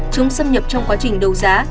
chúng xâm nhập trong quá trình đấu giá